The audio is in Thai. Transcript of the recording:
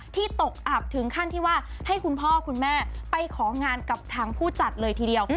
ตกอับถึงขั้นที่ว่าให้คุณพ่อคุณแม่ไปของานกับทางผู้จัดเลยทีเดียว